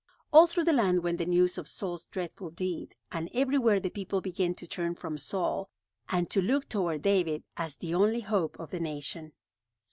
All through the land went the news of Saul's dreadful deed, and everywhere the people began to turn from Saul, and to look toward David as the only hope of the nation.